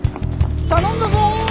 頼んだぞ！